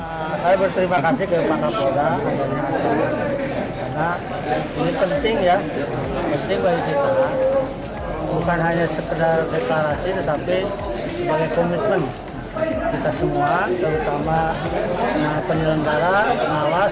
sebenarnya sekedar deklarasi tetapi sebagai komitmen kita semua terutama penyelenggara pengawas